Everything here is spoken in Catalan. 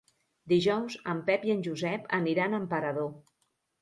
Dijous en Pep i en Josep aniran a Emperador.